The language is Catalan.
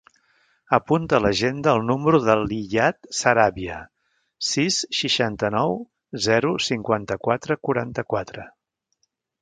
Apunta a l'agenda el número de l'Iyad Sarabia: sis, seixanta-nou, zero, cinquanta-quatre, quaranta-quatre.